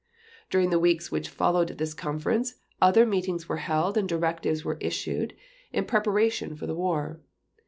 During the weeks which followed this conference, other meetings were held and directives were issued in preparation for the war.